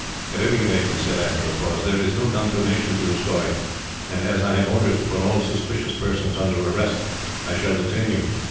"At any rate," he said, after a pause, "there is no confirmation to your story, and, as I have orders to put all suspicious persons under arrest, I shall detain you."